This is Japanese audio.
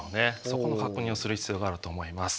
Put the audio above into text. そこの確認をする必要があると思います。